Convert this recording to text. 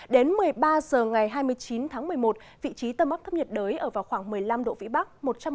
đến một mươi ba h ngày hai mươi chín tháng một mươi một vị trí tâm áp thấp nhiệt đới ở vào khoảng một mươi năm độ vĩ bắc